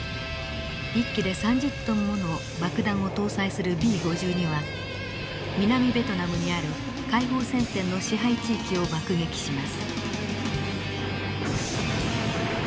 １機で３０トンもの爆弾を搭載するＢ５２は南ベトナムにある解放戦線の支配地域を爆撃します。